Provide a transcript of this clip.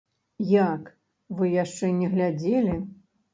Як, вы яшчэ не глядзелі?